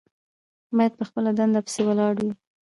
باید په خپله دنده پسې ولاړ وي.